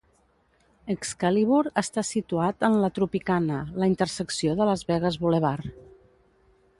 Excalibur està situat en la Tropicana - La intersecció de Las Vegas Boulevard.